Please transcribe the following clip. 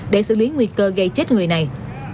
để xử lý nguy cơ gây chết người này